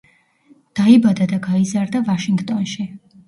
დაიბადა და გაიზარდა ვაშინგტონში.